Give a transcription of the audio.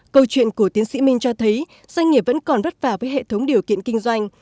câu chuyện của tiến sĩ minh cho thấy doanh nghiệp vẫn còn vất vả với hệ thống điều kiện kinh doanh